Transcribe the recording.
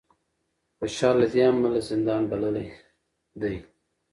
خوشال له دې امله زندان بللی دی